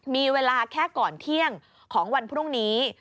มีเวลาแค่ก่อนเที่ยงของวันพรุ่งนี้